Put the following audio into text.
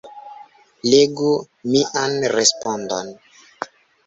Legu mian respondon.